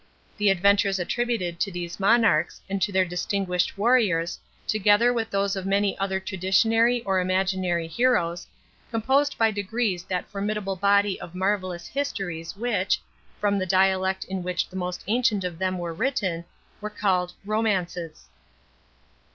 The adventures attributed to these monarchs, and to their distinguished warriors, together with those of many other traditionary or imaginary heroes, composed by degrees that formidable body of marvellous histories which, from the dialect in which the most ancient of them were written, were called "Romances."